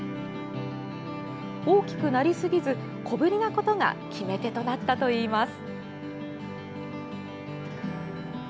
大きくなりすぎず小ぶりなことが決め手となったといいます。